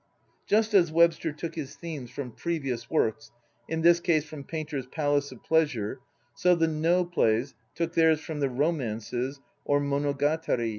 Just as Webster took his themes from previous works (in this case from Painter's "Palace of Pleasure"), so the No plays took I from the Romances or "Monogatari."